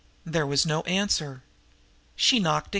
There was no answer. She knocked again.